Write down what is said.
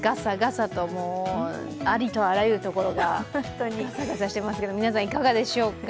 ありとあらゆるところががさがさしていますが皆さん、いかがでしょうか。